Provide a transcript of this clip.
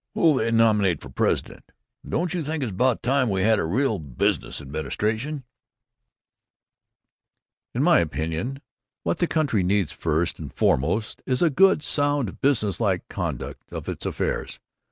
Who'll they nominate for president? Don't you think it's about time we had a real business administration?" "In my opinion, what the country needs, first and foremost, is a good, sound, business like conduct of its affairs.